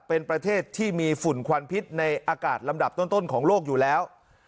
เป็นประเทศที่มีฝุ่นควันพิษในอากาศลำดับต้นของโลกอยู่แล้ว